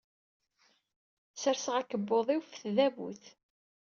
Sserseɣ akebbuḍ-iw ɣef tdabut.